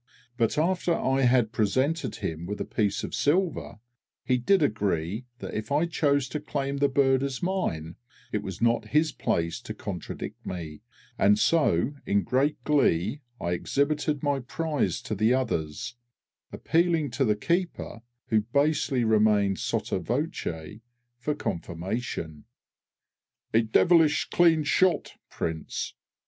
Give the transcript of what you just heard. But after I had presented him with a piece of silver, he did agree that if I chose to claim the bird as mine, it was not his place to contradict me, and so in great glee I exhibited my prize to the others, appealing to the keeper (who basely remained sotto voce) for confirmation. "A devilish clean shot, Prince!"